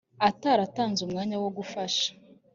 ataratanze umwanya wo gufasha